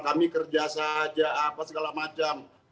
kami kerja saja apa segala macam